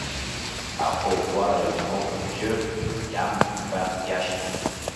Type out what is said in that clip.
Ақәыӷәӷәара змоу абжьы иамб ҳәа иашьҭоуп.